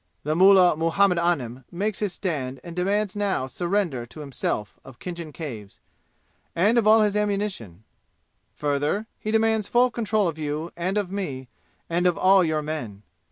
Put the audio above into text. "The mullah Muhammad Anim makes his stand and demands now surrender to himself of Khinjan Caves; and of all his ammunition. Further, he demands full control of you and of me and of all your men.